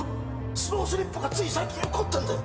スロースリップがつい最近起こったんだよ